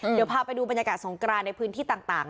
เดี๋ยวพาไปดูบรรยากาศสงกรานในพื้นที่ต่าง